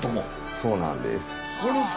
そうなんです。